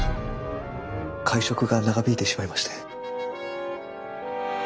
会食が長引いてしまいまして。